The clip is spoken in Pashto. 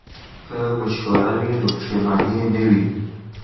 که مشوره وي نو پښیمانی نه وي.